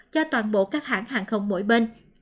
cho toàn bộ các hãng hàng không mỗi bên